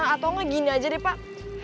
atau nge gini aja deh pak